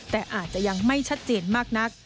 แต่อาจจะยังไม่ชัดเจนมากนัก